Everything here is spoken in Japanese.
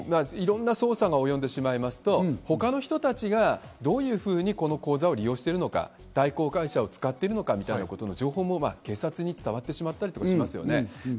いろんな捜査が及んでしまいますと他の人たちがどういうふうにこの口座を利用しているのか、代行会社を使っているのかみたいなことの情報も警察に伝わってしまう可能性あります。